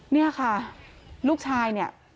นี่ค่ะลูกชายนี่